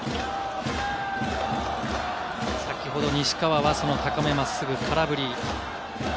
先ほど西川はその高め真っすぐ空振り。